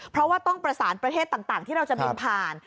เพราะว่าต้องประสานประเทศต่างที่เราจะบินผ่าน